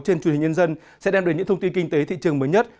trên truyền hình nhân dân sẽ đem đến những thông tin kinh tế thị trường mới nhất